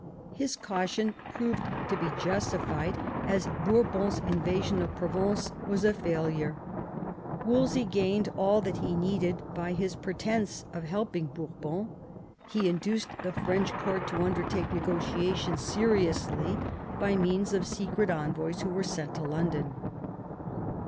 His caution proved to be justified, as Bourbon's invasion of Provence was a failure. Wolsey gained all that he needed by his pre tence of helping Bourbon; he induced the French Court to undertake negotiations seriously by means of secret envoys who were sent to London.